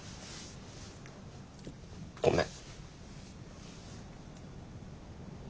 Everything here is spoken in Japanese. ごめん。